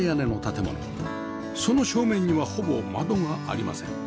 その正面にはほぼ窓がありません